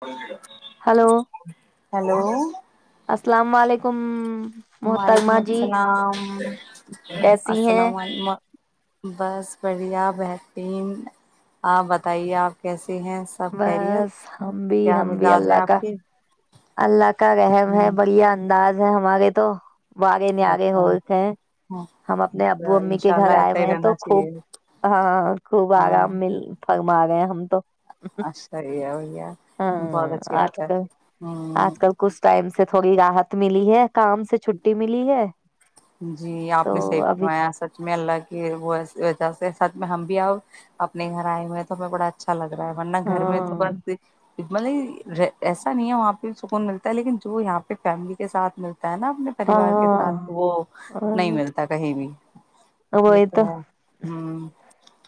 کو ہلو ج ہلو السلام علیکم محترمہ وعلیکم جی السلام کیسی ہیں السلام علیکم بس بڑھیا بہترین آپ بتائیے آپ کیسے ہیں سب خیریت بس ہم بھی کیا ہم بھی مزاج ہے اللہ کا آپ کے اللہ کا رحم ہے ہوں بلیا انداز ہماگے تو آگے ن آگے اچھا ہوتے ہم اپنے ابو امی کے انشاء گھر اللہ آئے ایسا ہوئے ہی ہیں تو رہنا خوب چاہیے ہاں خوب ہاں آرام مل پگما رہے ہیں ہم تو اچھا یہ ہے وہییا ہاں بہت اچھی بات آج ہے کل ہ آج کل کچھ ٹائم سے تھوڑی راہت ملی ہے کام سے چھٹی ملی ہے جی تو آپ نے صیف ابھی سنوایا سچ میں اللہ کی وہ وجہ سے سھ میں ہم بھی آؤ اپنے گھر آئے ہوئے ہیں تو ہمیں بڑا اچھا لگا رہا ہے ورنہ گھر میں ہاں تو بس مطلب ایسا نہیں ہے وہاں پہ سکون ملتا ہے لیکن جو یہاں پہ فیملی کے ساتھ ملتا تا ہے نا اپنے پریوار کے ہاں ساتھ وہ نہیں ملتا کہیں بھی یہ تو ہے ہوں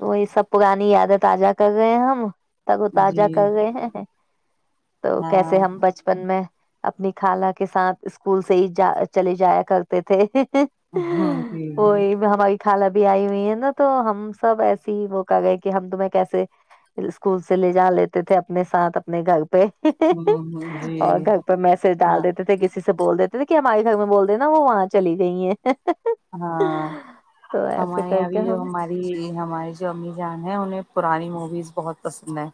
وہی سب پر گانی یادیں تازہ کر گئے ہیں ہم تک تازہ جی کر گئے ہیں تو کیسے ہاں ہم بچپن میں اپنی خالہ کے ساتھ اسکول سے ہی جا چلے جایا کرتے تھے ہاں ٹھیک کال ا بھی آئی ہوئی ہے نا تو ہم سب ایسے ہی موکا گئے کہ ہم تمہیں کیسے اسکول سے لے جا لیتے تھے اپنے ساتھ اپنے گھر پہ ہ اور جی گھر پہ میسج ڈال ہاں دیتے تھے کسی سے سے بول دیتےے تھ کہ ہمارے گھر میں بولتے نا وہاں چلی گئی ہیں ہاں تو ایسے ہمارے کر کے ابھی جو ہم ہماری ہماری جو امیمی جان ہیں انہیں پرانی موویز بہت پسند ہیں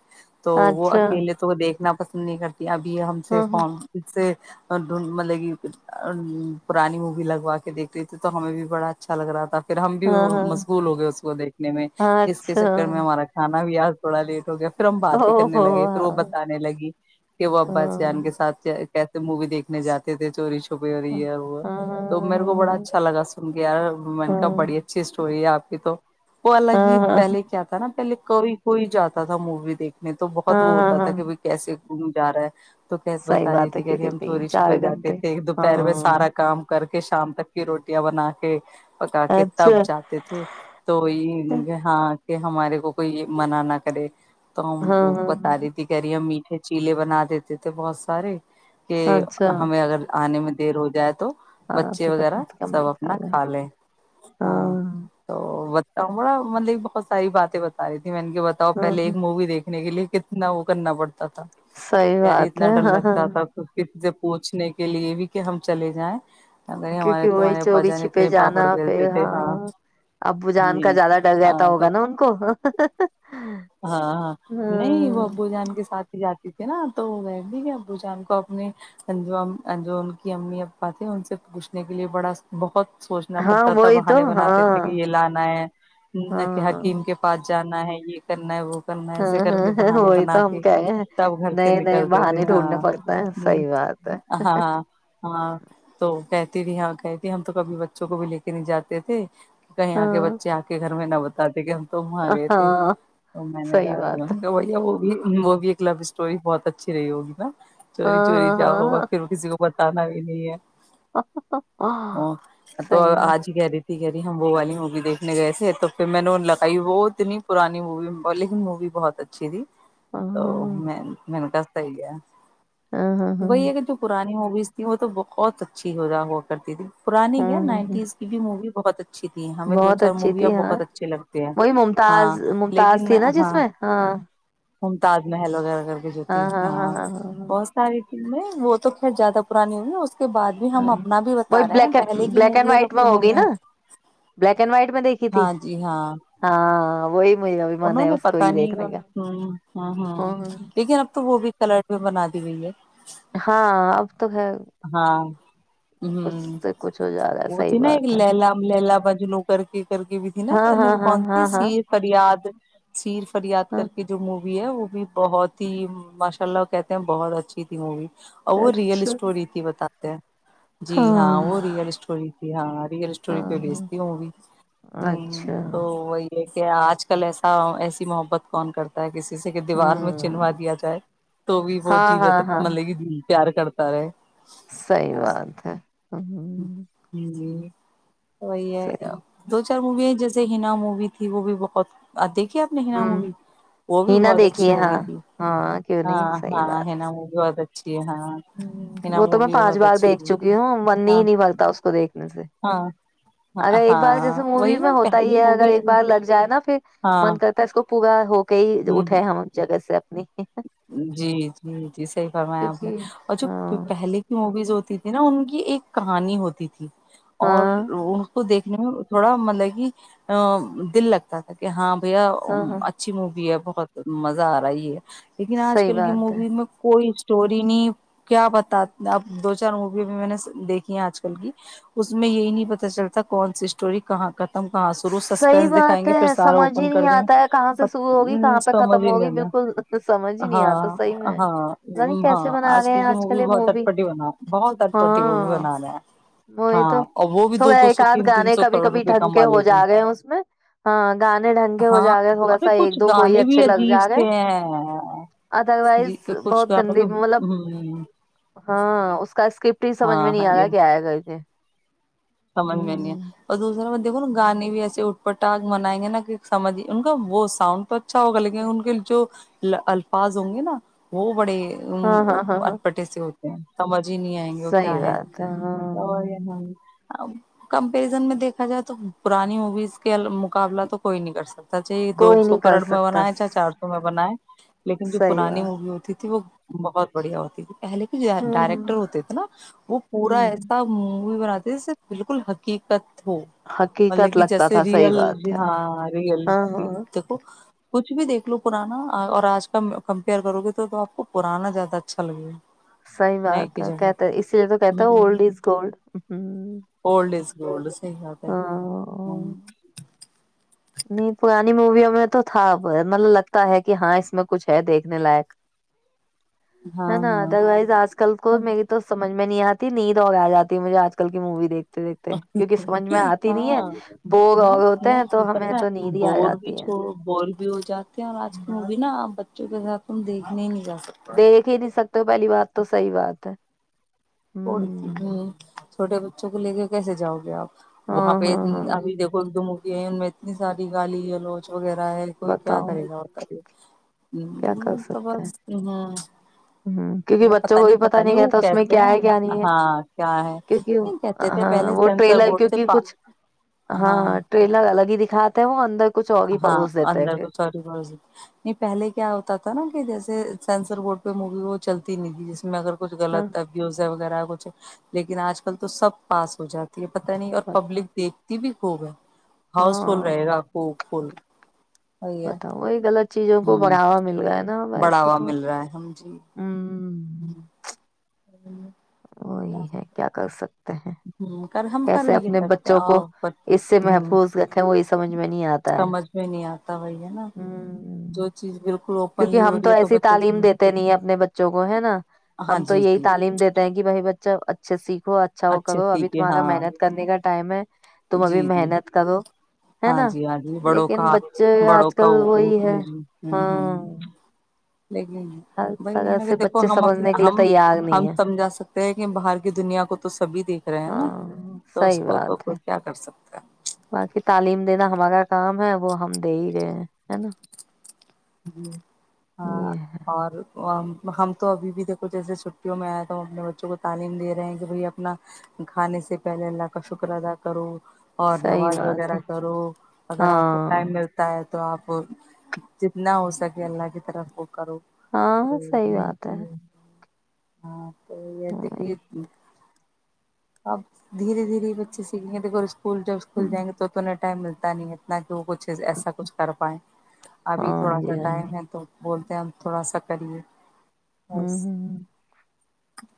تو وہ اچھا اکیلے تو دیکھنا پ نہیں کر ابھی ہم سے ہاں ہاں فون اس سے اور د مطلب کہ پرانی مووی لگوا کے دیکھتے تو ہمیں بھی بڑا اچھا لگ رہا تھا پھر ہم بھی ہاں ہاں مشغول ہو گئے اس کو دیکھنے میں اس کے چکر میں ہمارا کھانا بھی آار تھوڑا لیٹ ہو گیا پھر ہم باتیں کرنے لگے پھر وہ بتانے لگی کہ وہ اباسان کے ساتھ مووی دیکنے جاتے تھے چوری چ چپی ہو رہی ہے وہ تو میرے کو بڑا لگا سن گیا میں کا بڑی اچھی اسٹ تو ہے آپ کی تو وہ الگ ہی پہلے کیا تھا نا پہلے کوئی کوئی جاتا تھا مووی دیکھ میں تو بہت وہ ہوتا تھا کہ بھائی کیس وہ جا رہا ہے تو بتائی تھی کہہے ہم چوری چھپے جاتے تھے ایک دوپہر میں سارا کام کر کہ شام تک کی روٹیاں بنا کے پکا کے تب جاتے تھے تو ہاں کہ ہمارے کو کوئی منع نہ کرے تو ہم وہ بتا رہی تھی کہہ رہی امی پچیلے بنا دیتے تھے بہت سارے کہ ہمیں اگر آنے میں دیر ہو جائے تو ہاں تو بچے کا پ وغیرہ سب اپنا کھا لے ہاں تو بتاؤوں بڑا مطلب بہت ساری باتیں بتا رہ تھ میں نے کہ بتاؤ پہے ایک مووی دیکنے کے لیے کتنا وہ کرنا پڑتا تھا یاری اتنا ڈر لگتا تھا تو پوچنے کے لیے بھی کہ ہم چلے جائیں ا نہیں ہمارے وہی تمہارے ابا چوگی جان چھپے اتنے جانا پاپڑ بیلتے پھر تھے ہاں ابو جان کا جی زیادہ ڈر رہتا ہاں تو ہوگا نا ان کو ہاں ہاں نہیں وہ ابو جان کے ساتھی جاتی تھی نا تو وہ بی دی کہ ابو جان کو اپنے جو جو ان کی امی اپا تھے ان سے پوچھنے کے لیے بڑا بہت سوچنا پڑتا تھا بہانے بناتے تھے کہ یہ لانا ہے کہ حکیم کے پاس جانا ہے یہ کر وہ ہاں ایسے کر ہاں کے ہاں بہانے وہی بنا تو ہم کے کہہ رہے ہیں تب گھر سے نئے نئے نکلتے تھے بہانے ڈھونڈنے ہاں پڑتے ہیں ہ صحیح بات ہے ہاں ہاں تو کہ بھی ہاں کہتی ہم تو کبھی بچوں کو بھی لے کے نہیں جاتے تھے کہیں آ کے ہاں بچے آ کے گھر میں نہ ب آ یک توم آ گئے ت ہاں تو میں نے صحیح بات ہے تو وہ وہ بھی وہ بھی لو اسٹوری بہت اچھی رہی ہوگی نا چوری چوری ہاں ہاں جاؤگا پھر کسی کو پتا کنا یہ ہاں ہاں ا تو صحیح میں آج ہی کہ رہی تھی گریی بو والی موی دیکھنے گئے تھے تو پھر میں نے لگائی وہ اتنی پرانی موی بالیوڈ موی بہت اچھی تھی ہاں تو میں م کہس صحی ہے ہاں ہاں ہاں ہوگئی تھی وہ تو بہت اچھی ہوا ہوا کرتی تھی پرانی ہے ہوں ہ نائنٹیز کی بھی موی بہت اچ تھی ہمیں دو بہت چار اچھی مویاں تھی ہاں بہت اچھے لگتے ہیں وہی ہاں ممتاز لیکن ممتاز تھی نا جس میں ہاں ہم تاج محل وغیرہ کے جوتی ہاں بہت ساری میں وہ تو خیر زیادہ پرانی ہوئی ہے ہاں وہی بیک کی بلیک اینڈ مووی اور وائٹ اب میں کی ہوگئی مووی نا بلیک اینڈ وائٹ میں دیکھی تھی ہاں جی ہاں ہاں ہ وہ انہوں نے پتا نہیں ہ ہ ہ ہاں لیکن اب تو وہ بھی کلٹ بھی بنا دی ہوئی ہے ہاں اب۔ تو ہے۔ ہاں۔ کچھ ہمم سے کچھ ہو جا رہا ہے وہ صحیح تھی نا ایک بات ہے لیلہ لیلہ مجنوں۔ کرکے۔ کر کی بھی تھی نا ہاں ہاں ہاں کون سی ہاں ہاں سیر فریاد۔ صرف۔ فریاد ہاں کر کے جو مو۔ وی ہے وہ بھی بہت ہی ماشاء اللہ کہتے ہیں بہت اچھی تھی مووی۔ وہ اچھا ریلس۔ اسٹوری تھی بتاتے ہیں۔ جی ہاں وہ ریئل اسٹوری کی ہاں ریئل اسٹوری ہاں پہ بیس تھی ہاں وہ مووی۔ اچھا کہ آج کل ایسا ایسی محبت کون کرتا ہے کسی۔ جیسے کہ دیوار میں ہوں چنھوا دیا جائے تو بھی وہ ہاں جیوت ہاں ہاں ملے گی۔ پیار کر۔ سارے۔ صحیح بات ہے۔ ہوں جی جی۔ وہی ہے صحیح دو چار مووی ہے۔ جیسے ہنا مووی تھی وہ بھی بہت ادھک۔ دیکھی اپ نے ہنا ہوں مووی وہ بھی ہینا بہت اچھی دیکھیے مووی ہاں تھی ہاں کیوں نہیں ہاں صحیح ہاں بات ہنا مووی بہت اچھی۔ ہے ہاں ہینا وہ تو میں مووی پانچ بہت بار اچھی دیکھ تھی چکی ہوں۔ نی ہاں نہیں بگتا اس کو دیکھنے سے ہاں ہاں اگر ایک بار جیسے ہاں وہی مووی نا میں ہوتا ہی پہلی ہے اگر مووی ایک بار لگ جائے نا پھر ہاں من کرتا ہے اس کو پورا ہو کے ہی ہ اٹھے ہم جگہ سے۔ دء۔ جی جی جی صحیح فرمایا آپ نے۔ کیونکہ اور جو ہاں پہلے کی موویز ہوتی تھی نا ان۔ یہ ایک کہانی ہوتی تھی۔ اور ہاں ان کو دیکھ۔ تھوڑا مطلب کہ دل لگتا تھا کہ ہاں۔ دیا ہاں ہاں اچھی مووی ہے بہت۔ بہت مزہ آ رہا ہی ہے۔ لیکن آج صحیح کل کی بات ہے موویز میں کوئی اسٹوری نہیں کیا بتا اب دو چار مووی بھی میں نے دیکھی ہیں آج کل کی اس میں یہی نہیں پتا چلتا کون سی اسٹوری کہاں کا صحیح بات ہے سمجھ اوپن ہی کر نہیں دیں آتا ہے کہاں سے شروع ہوگی گے کہاں پہ سمجھ ختم ہی نہیں ہوگی آتا بالکل سمجھ ہی نہیں آتا ہاں صحیح میں پتا ہاں نہیں ہاں کیسے بنا آج گئے کل ہیں کی مووی یہ بہت اٹپٹی بنا بہت اٹپٹی مووی ہاں بنا رہا ہے وہی ہاں تو اور وہ بھی دو تھوڑا دو ایک سو آدھ تین تین گانے سو کبھی کروڑ کبھی روپئے ڈھنگ کام ہو جا گے ہیں اس میں ہاں گانے ڈھنگ کے ہو ہاں جا گے تھوڑا ارے سا کچھ ایک دو کوئی گانے بھی اچھے لگ عجیب جا گے سے ہیں ادر جی وائز کچھ بہت گانوں کے گندی مطلب ہوں ہاں اس کا اسکرپٹ ہی سمجھ میں ہاں نہیں آ رہا کیا آیا کر یہ سمج میںے آ اور دوسرا ب دو گانے بھی ایسے اٹ پٹاگ منائیں گے نہا کہ سمجھی ان کا وہ سؤنڈ پ اچھا ہوگا لیکن ان کے جو الفاظ ہوں گے نا وہ بڑے ا ہاں ہاں ہاں ہاں اٹ پٹٹی سے ہوتے سمج جی نہیں آئیں گے وہ صحیح کیا ہے بات تو ہاں یہ کمپیرزن میں دیکھا جائے تو پرانی موویز کے مقابلہ تو کوئی نہیں کر سکتا چ یہ دو کوئی سو نہیں کر کرڑ میں سکتا بنائے چاہے چار سو میں بنائے لیکن جو صحیح پرانی بات مووی ہوتی تھی وہ بہت بڑھیا ہوتی تھی لے کے ہمم ڈائریکٹر ہوتے تھے نا وہ پورا ہوں ایسا مووی بناتے ا س بالکل حقیقت ہو مطل حقیقت کہ لگتا جیسے تھا صحیح ریئل بات ہے ہاں ریئل ہاں ہاں دیکھو کچھ بھی دیکھ لو پرانا اور آج ک کمپیئر کرو گے تو تو آپ کو پرانا زیادہ اچھا لگے گا صحی نئے بات کی ہے جگہ کہتے اسی لیے تو کہتا ہے ہوں اولڈ از گولڈ ہ اولڈ از گولڈ صی ہے پ ہ ہاں نہیں پرانی موویوں میں تو تھا مطلب لگتا ہے کہ ہاں اس میں کچھ ہے دیکھنے لائق ہاں ہے نا ہاں ادر وائز آج کل کو ہم- میری تو سمجھ میں نہیں آتی نیند ہوگ جاتی مجھے آج کل کی موی دیکھ دیک دیکھتے کیونکہ سمجھ میں آتی نہیں ہے ہاں بوگ نہیں ووگ ہوتے کیا ہیں تو ہمیں پتا نیند ہی آ بور بھی جاتی ہے چو بور بھیو جاتے ہیں اور آج ت بھی نا بچوں کے ساتھ تم دیکنے ہی نہیں جاتے دیکھ ہی نہیں سکتے پہلی بات تو صحی بات ہے پڑچ ہ چھوٹے بچوں کو لے کے کیسے جاؤ گے آپ وہاں ہاں پہ ہاں ہاں ابھی دیکھو ایک دم اگیئی ان میں اتنی ساری گالی ہے لوگ وغیرہ ہے کوئی کیا بتاؤ کرے گا اور کرے کیا کر سکتے ہیں ہ کیونکہ وہ پت بچوں کو بھی پت پتا نہیں وہ گتا اس میں کیسے کیا ہیں ہے کیا نہیں ہے ہاں کیا ہے کیونکہ یہ کہتے تھے ہاں پہلے وہ سینسر ٹریلر بڈ سے کیونکہ کچھ ہاں کاتے ہیں وہ اندر کچھ اور ہی ہاں پروس دیتے ہیں اندر پھر تو تھو ب نہیں پہلے کیا ہوتا تھا نا کہ جیسے سینسر بورڈ پہ مووی وہ چلتی نہیں تھی جس میں اگر کچھ ہاں غط طبیز ہے وغیرہ پچے لیکن آج کل تو سب پاس ہو جاتا پتا نہیں اور بتاؤ پبلک دیکھتی بھی ہوگا ہاؤس فل ہاں رہے گا او فل [unintelligible] بتاؤ یہ غط چیزوں کو ہ بڑھاوا مل گا ہے نا ویسے بڑھاوا تو مل رہا ہے ہم جی ہ وہی ہے کیا کر سکتے ہ کر ہم کر کیسے بھی اپنے کہہ سکتے ہیں بچوں کو اور اس سے ہ محفوظ رکھیں وہی سمجھ میں نہیں آتا ہے پتا وہی ہے نا ہوں جو چیز بالکل کیونکہ اوپنلی ہو ہم رہی تو ہے ایسی بچوں تعلیم کی دیتے نہیں ہے اپنے بچوں کو ہے نا ہاں ہم تو جی یہی جی تعلیم دیتے ہیں کہ بھائی بچہ اچا اچھ سی [unintelligible] اچھا ہو اچھے کرو اب سیکھے تمہارا ہاں محنت کرنے کا ٹائم ہے تم ابھی جی جی محنت کرو ہے ہاں نا لیکن بچے آج کل کہ وہی ہ ہے ہ ہ ہاں [unintelligible] لیک نہیں ہر طرح بھائی کہ سے دیکھو بچے ہم سمجھنے کے لیے ہم تیار ہم نہیں ہے سمجا سکتے کہ باہر کی دنیا کو تو [unintelligible] سبھی دیکھ رہے ہیں نا ہاں تو اس صحیح کو تو بات ہے کوئی کیا کر سکتا ا [unintelligible] باقی تعلیم دینا ہمارا کام ہے وہ ہم دے ہی گئے ہیں ہے نا جی یہ ہاں ہے اور ہم تو ابھی بھی دیکھو جیسے چھٹیوں میں آئے تو ہم اپنے بچوں کو تعلیم دے رہے ہیں کہ بھائی اپنا کھانے سے پہلے اللہ کا شکر ادا کرو اور صحیح نماز بات ہے وغیرہ کرو اگر آپ کو ہاں ٹائم ملتا ہے تو طراپ جتنا ہو سکے اللہ کی طرف کو کرو ہاں تو ہاں، صحیح بات ہے ہاں تو یہ دیک وہی ک اب دھیرے دھیرے بچے سیکھیں گے تو گ اسکول جب اسکول ہم، جائیں گے توہ ٹائم ملتا پتتا نہیں اتنا کہ وہ کچھ ایسا کچھ کر پائے ابھی ہاں تھوڑا سا جی ہاں جی ٹائم ہے تو بولتے ہیں ہم تھوڑا سا کریے ہوں ہوں ہ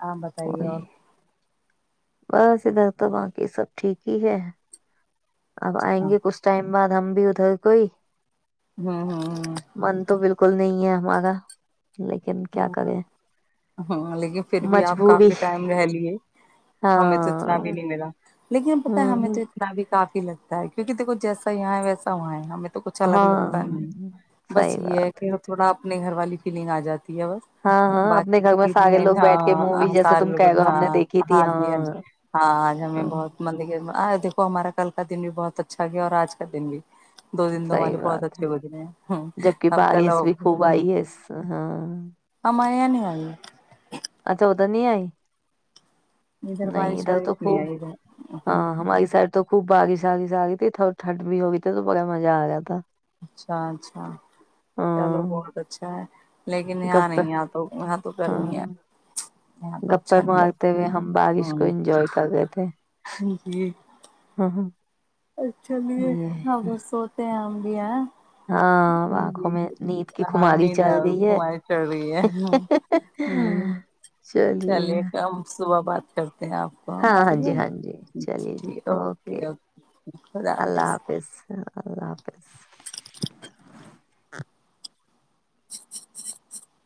ہاں بتائیے اور بس ادھر تو باقی سب ٹھیک ہی ہے اب آئیں ہاں گے کس ٹائم بعد ہم بھی اتھر کوئی ہاں ہاں ہاں من تو بالکل نہیں ہے ہمارا لیکن کیا ہاں کریں ہاں لیکن پھر بھی آپ مجبوری کافی ٹائم رہ لیے ہمیں تو ہاں اتنا بھی نہیں ملا لیکن پت ہے ہوں ہمیں ہوں، تو اتنا بھی کافی لگتا ہے ہے کیکہ دیکو جیسا یہاں ہے ویسا وہاں ہمیں تو کچھ الگ ہاں لگتا نہیں بس صحیح یہ ہے بات کہ تھوڑا اپنے گھر والی فیلنگ آ جاتی ب ہاں ہاں اپنے گھر میں سارے باقیار لوگ بیٹھ کے مووی جیسے تم کہہ رہے ہو ہم نے دیکھی تھی ہاں جی ہاں جی ہاں آج ہمیں ہاں، بہت م د تو ہمارا کل کا دن بھی بہت اچھا گیا اور آج کا دن بھی دو دن دو صحیح ہمارے بہت بات ہے اچھے ہوتےے ہیں جبکہ اب کل بارش بھی خوب آئی ہے اس- ہاں سے نہیں ہو اچھا اد نہیں آئی نہیں بارش ادھر تو وارش نہیں خوب آئی ادھر ہاں ہماری سائڈ تو خوب باغی سای ساگی ت ٹھنڈ بھی ہوگئی ت تو بڑا مزا آ گیا تھا اچھا اچھا چلو ہاں بہت اچھا ہے لیکن یہاں گپے نہیں آ تو وہاں تو گرمی ہے یہاں تو گپر اچھا نہیں لگتا مارتے ہوئے ہم بارش ہاں کو انجوائے کر گئے تھے جی ہاں ہاں اچ چالیے یہ ہاں بس سوتے ہیں ہم گیاں ہاں آنکھوں میں نید کی ہاں کماری نیند چل گئی ہے ہماری چڑھ رہی ہے ہمم چلیے کم صبح بات س آپ کو ہاں ہاں جی ہاں جی چلیے جی اوکے اوکےک خدا حافظ اللہ حافظ [inaudible]